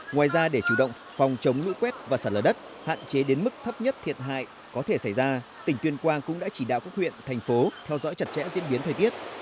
ngoài ra để chủ động phòng chống lũ quét và sạt lở đất hạn chế đến mức thấp nhất thiệt hại có thể xảy ra tỉnh tuyên quang cũng đã chỉ đạo các huyện thành phố theo dõi chặt chẽ diễn biến thời tiết